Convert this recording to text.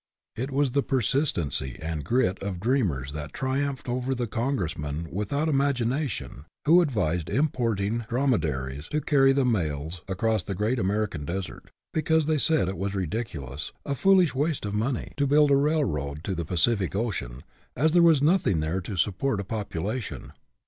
It was the persistency and grit of dreamers that triumphed over the congressmen without imagination who advised importing drome daries to carry the mails across the great American desert; because they said it was ridiculous, a foolish waste of money, to build WORLD OWES TO DREAMERS 61 a railroad to the Pacific Ocean, as there was nothing there to support a population.